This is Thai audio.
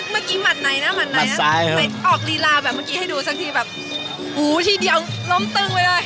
หมัดไหนนะหมัดไหนนะไหนออกลีลาแบบเมื่อกี้ให้ดูสักทีแบบหูทีเดียวล้มตึงไปเลย